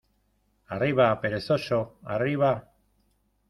¡ arriba, perezoso!... ¡ arriba !